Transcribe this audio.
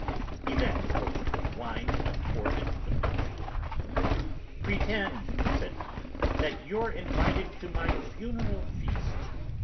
He then ordered wine to be poured into the punch bowl. "Pretend," said he, "that you're invited to my funeral feast."